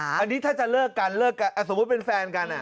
อันนี้ถ้าจะเลิกกันเลิกกันสมมุติเป็นแฟนกัน